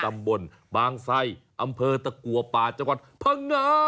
ตำบลบางไซอำเภอตะกัวป่าจังหวัดพังงา